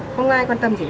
không ai quan tâm gì